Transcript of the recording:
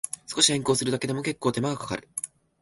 少し変更するだけでも、けっこう手間がかかる